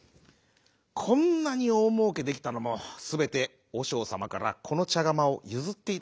「こんなにおおもうけできたのもすべておしょうさまからこのちゃがまをゆずっていただいたおかげです。